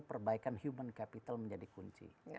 perbaikan human capital menjadi kunci